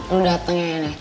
lo dateng ya ini